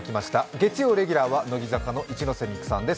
月曜レギュラーは乃木坂の一ノ瀬美空さんです。